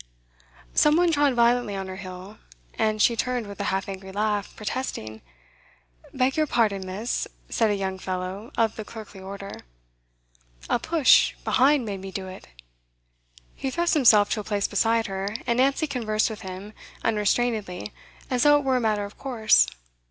Some one trod violently on her heel, and she turned with a half angry laugh, protesting. 'Beg your pardon, miss,' said a young fellow of the clerkly order. 'A push be'ind made me do it.' He thrust himself to a place beside her, and Nancy conversed with him unrestrainedly, as though it were a matter of course.